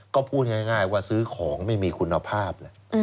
ก็พูดง่ายว่าซื้อของไม่มีคุณภาพ